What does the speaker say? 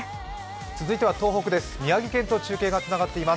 続いては東北です。